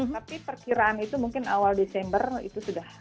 tapi perkiraan itu mungkin awal desember itu sudah